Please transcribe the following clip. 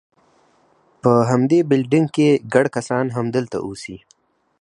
په همدې بلډینګ کې، ګڼ کسان همدلته اوسي.